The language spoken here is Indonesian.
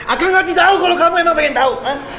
aku ngasih tau kalo kamu emang pengen tau